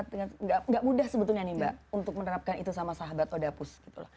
tidak mudah sebetulnya nih mbak untuk menerapkan itu sama sahabat odapus gitu loh